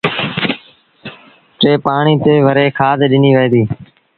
ٽئيٚن پآڻيٚ تي وري کآڌ ڏنيٚ وهي ديٚ